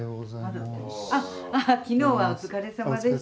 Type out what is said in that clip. あ昨日はお疲れさまでした。